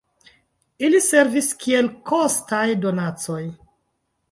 Ili servis kiel kostaj donacoj.